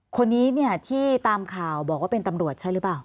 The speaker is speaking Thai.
คนนี้เนี่ยที่ตามข่าวบอกว่าเป็นตำรวจใช่หรือเปล่า